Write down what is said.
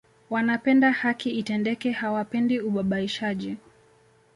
Wanapenda haki itendeke hawapendi ubabaishaji